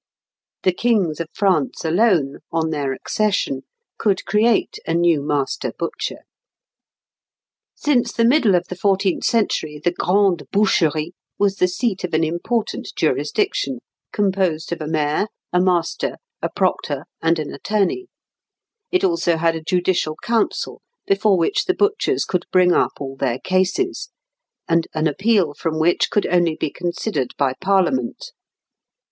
The Kings of France alone, on their accession, could create a new master butcher. Since the middle of the fourteenth century the "Grande Boucherie" was the seat of an important jurisdiction, composed of a mayor, a master, a proctor, and an attorney; it also had a judicial council before which the butchers could bring up all their cases, and an appeal from which could only be considered by Parliament.